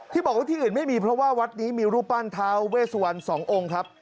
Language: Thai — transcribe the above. ที่บอกว่าที่อื่นไม่มีเพราะว่าวัดนี้มีรูปปั้นท้าเวสวันสององค์ครับ